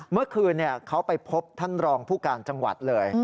เมื่อคืนเขาไปพบท่านรองผู้การจังหวัดเลย